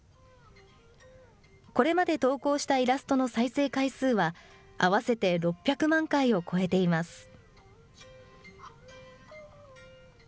これまで投稿したイラストの再生回数は、合わせて６００万回を超えています。